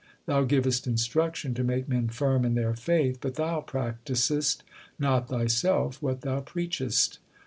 1 Thou givest instruction to make men firm in their faith, But thou practisest not thyself what thou preachest.